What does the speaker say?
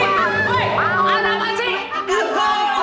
mau ada apa sih